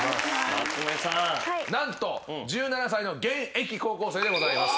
何と１７歳の現役高校生でございます。